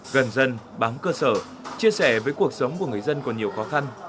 gần dân bám cơ sở chia sẻ với cuộc sống của người dân còn nhiều khó khăn